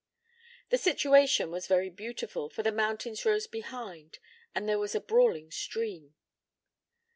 The situation was very beautiful, for the mountains rose behind and there was a brawling stream.